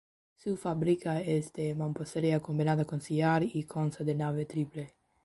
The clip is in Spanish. Su fábrica es de mampostería combinada con sillar y consta de nave triple.